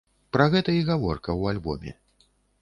Пра гэта і гаворка ў альбоме.